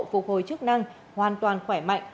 phục hồi chức năng hoàn toàn khỏe mạnh